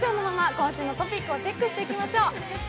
今週のトピックをチェックしていきましょう。